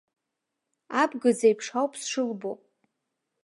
Абгыӡ еиԥш ауп сшылбо.